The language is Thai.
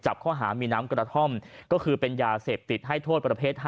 จับข้อหามีน้ำกระท่อมก็คือเป็นยาเสพติดให้โทษประเภท๕